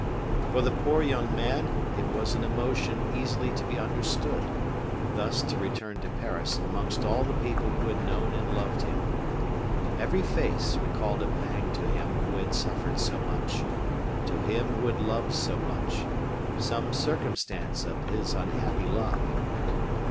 For the poor young man it was an emotion easily to be understood, thus to return to Paris amongst all the people who had known and loved him. Every face recalled a pang to him who had suffered so much; to him who had loved so much, some circumstance of his unhappy love.